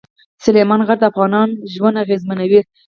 سلیمان غر د افغانانو ژوند اغېزمنوي.